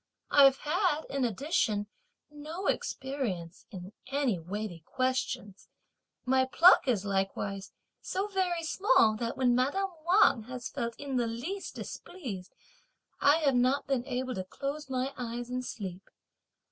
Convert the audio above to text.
I've had, in addition, no experience in any weighty questions; my pluck is likewise so very small that when madame Wang has felt in the least displeased, I have not been able to close my eyes and sleep.